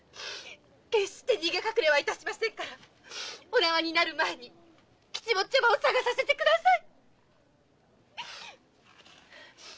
決して逃げ隠れはいたしませんからお縄になる前に吉坊ちゃまを捜させてください！